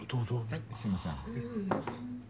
はいすいません。